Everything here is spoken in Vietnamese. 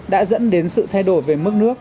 đã dẫn đến sự thay đổi về mức nước